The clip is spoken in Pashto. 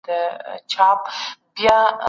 لوبې د ملت د غرور او سرلوړي لامل ګرځي.